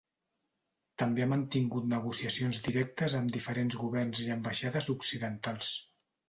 També ha mantingut negociacions directes amb diferents governs i ambaixades occidentals.